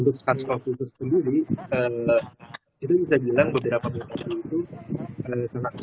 untuk sars cov dua sendiri itu bisa dibilang beberapa mutasi itu sangat sederhana